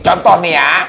contoh nih ya